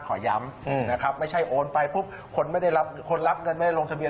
ขอย้ำนะครับไม่ใช่โอนไปคนรับเงินไม่ได้ลงทะเบียน